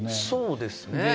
そうですね。